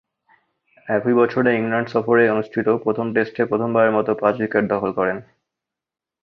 একই বছরে ইংল্যান্ড সফরে অনুষ্ঠিত প্রথম টেস্টে প্রথমবারের মতো পাঁচ-উইকেট দখল করেন।